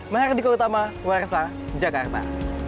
mereka di keutama warga jakarta